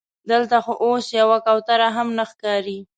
دلته خو اوس یوه کوتره هم نه ښکاري.